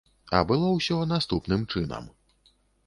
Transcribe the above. А было ўсё наступным чынам.